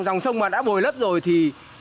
dòng sông mà đã bồi lấp rồi thì